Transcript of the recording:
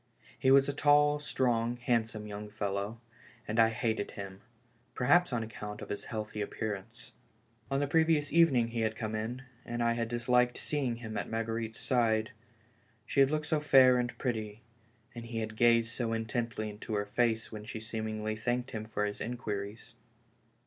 He was a tall, strong, handsome young fellow, and I hated him, perhaps on ac count of his healthy appearance. On the previous even ing he had come in, and I had disliked seeing him at Marguerite's side; she had looked so fair and pretty, and he had gazed so intently into lier face when she smi lingly thanked him for his inquiries.